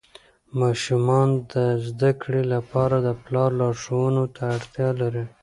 ماشومان د زده کړې لپاره د پلار لارښوونو ته اړتیا لري.